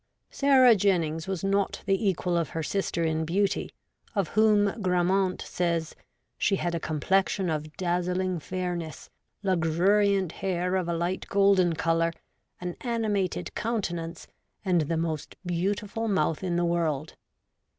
Sarah Jennings was not the equal of her sister in beauty, of whom Grammont says ' she had a complexion of dazzling fairness, luxuriant hair of a light golden colour, an animated countenance, and the most beautiful mouth in the world.